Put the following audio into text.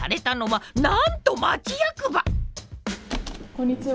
こんにちは。